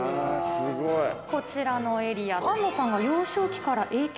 すごい！こちらのエリア。